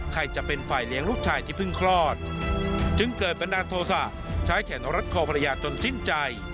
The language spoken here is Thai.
ใครจะเป็นฝ่ายเลี้ยงลูกชายที่เพิ่งคลอดจึงเกิดบันดาลโทษะใช้แขนรัดคอภรรยาจนสิ้นใจ